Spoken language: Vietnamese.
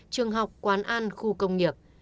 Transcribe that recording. trường học quán ăn khu công nghiệp